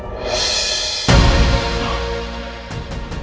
ada lawan yang lebih penting